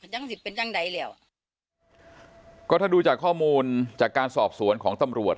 ยังสิทธิ์เป็นยั่งใดแล้วก็ถ้าดูจากข้อมูลจากการสอบสวนของตำรวจ